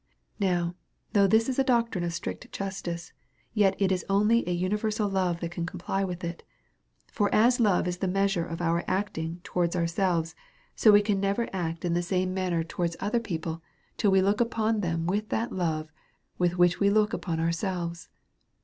Now though this is a doctrine of strict justice, yet it is only an universal love that can comply with it. For as love is the measure of our acting towards our selves, so we can never act in the same manner to .t4 ^80 A SERIOUS CALL TO A wards other people, till we look upon them with that love with which we look upon ourselves.